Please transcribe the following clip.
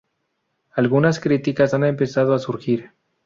Algunas críticas han empezado a surgir.